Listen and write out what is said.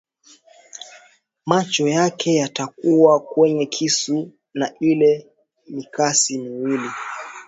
Macho yake yakatua kwenye kisu na ile mikasi miwili